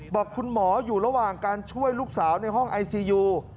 บอกคุณหมออยู่ระหว่างการช่วยลูกสาวในห้องไอซียู